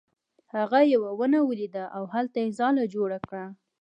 هغه یوه ونه ولیده او هلته یې ځاله جوړه کړه.